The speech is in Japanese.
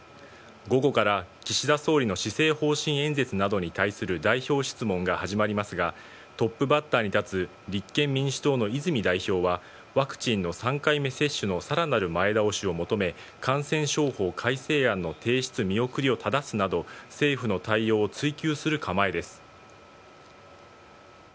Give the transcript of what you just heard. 午後から岸田総理の施政方針演説などに対する代表質問が始まりますが、トップバッターに立つ立憲民主党の泉代表は、ワクチンの３回目接種のさらなる前倒しを求め、感染症法改正案の提出見送りをただすなど、政府の対応を追及する構えです。